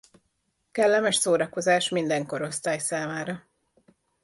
Kellemes szórakozás minden korosztály számára.